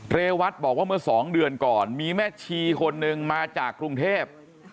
เรวัตบอกว่าเมื่อ๒เดือนก่อนมีแม่ชีคนหนึ่งมาจากกรุงเทพ